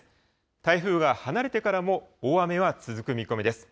台風が離れてからも大雨は続く見込みです。